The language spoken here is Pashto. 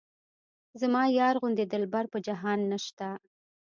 زما یار غوندې دلبر په جهان نشته.